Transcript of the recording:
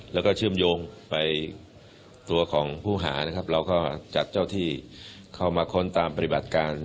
แล้วก็เชื่อมโยงไปตัวของผู้หานะครับเราก็จัดเจ้าที่เข้ามาค้นตามปฏิบัติการ